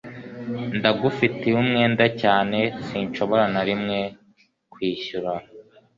ndagufitiye umwenda cyane sinshobora na rimwe kwishyura